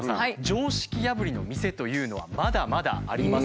常識破りの店というのはまだまだあります。